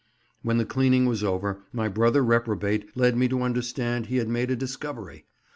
When the cleaning was over my brother reprobate led me to understand he had made a discovery.